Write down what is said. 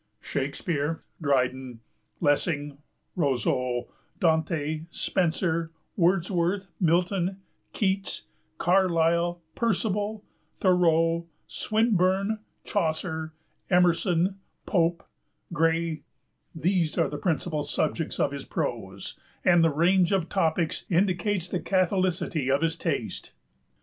Shakespeare, Dryden, Lessing, Rousseau, Dante, Spenser, Wordsworth, Milton, Keats, Carlyle, Percival, Thoreau, Swinburne, Chaucer, Emerson, Pope, Gray, these are the principal subjects of his prose, and the range of topics indicates the catholicity of his taste.